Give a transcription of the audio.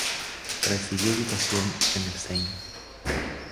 Recibió educación en el St.